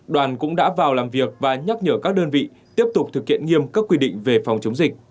đoàn cũng đã vào làm việc và nhắc nhở các đơn vị tiếp tục thực hiện nghiêm các quy định về phòng chống dịch